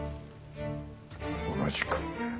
同じく。